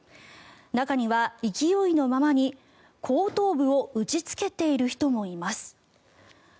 中には勢いのままに、後頭部を打ちつけている人もいます。